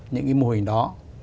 những mô hình đó